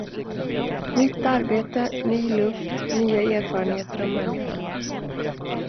Nytt arbete, ny luft, nya erfarenheter om människan.